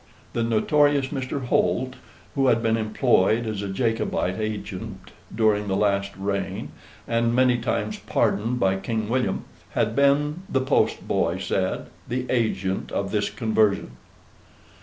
The notorious Mr. Holt, who had been employed as a Jacobite agent during the last reign, and many times pardoned by King William, had been, the Post Boy said, the agent of this conversion.